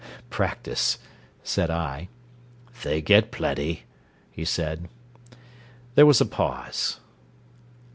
"Practice," said I. "They get plenty," he said. There was a pause.